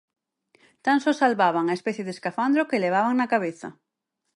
Tan só salvaban a especie de escafandro que levaban na cabeza.